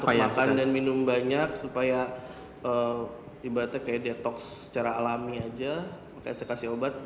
apa yang kalian minum banyak supaya tiba tiba kayak detox secara alami aja saya kasih obat